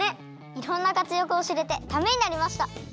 いろんなかつやくをしれてためになりました！